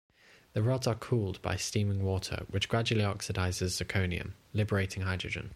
The rods are cooled by streaming water which gradually oxidizes zirconium, liberating hydrogen.